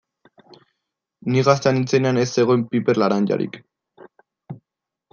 Ni gaztea nintzenean ez zegoen piper laranjarik.